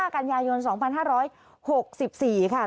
กันยายน๒๕๖๔ค่ะ